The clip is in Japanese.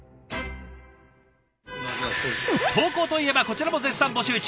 投稿といえばこちらも絶賛募集中！